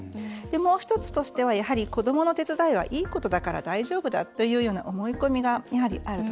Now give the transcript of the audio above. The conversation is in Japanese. もう１つとしては、やはり子どもの手伝いはいいことだから大丈夫だというような思い込みがやはりあると。